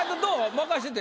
任してて。